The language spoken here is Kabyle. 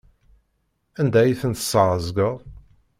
Anda ay ten-tesɛeẓgeḍ?